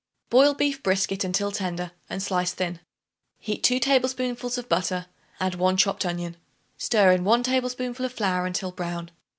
Boil beef brisket until tender, and slice thin. Heat 2 tablespoonfuls of butter; add 1 chopped onion. Stir in 1 tablespoonful of flour until brown.